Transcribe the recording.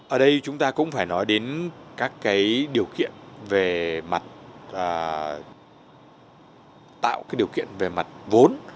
ở đây chúng ta cũng phải nói đến các cái điều kiện về mặt tạo điều kiện về mặt vốn